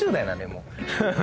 もう。